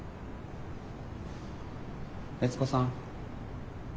悦子さん。